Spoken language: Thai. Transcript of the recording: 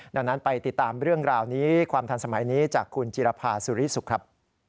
ดังนั้นไปติดตามเรื่องราวนี้ความทันสมัยนี้จากคุณจิรภาสุริสุขครับ